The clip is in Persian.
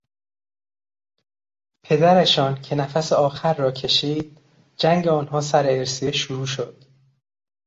پدرشان که نفس آخر را کشید جنگ آنها سر ارثیه شروع شد.